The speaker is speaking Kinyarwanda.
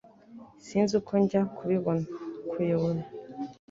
Sinzi uko njya kubibona. (_kuyobora)